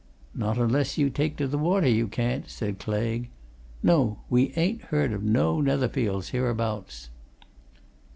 "Not unless you take to the water, you can't," said Claigue. "No we ain't heard of no Netherfields hereabouts."